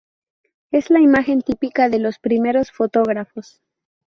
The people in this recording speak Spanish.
Es la imagen típica de los primeros fotógrafos.